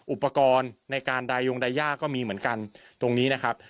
อุปกรณ์ในการดายงไดย่าก็มีเหมือนกันตรงนี้นะครับ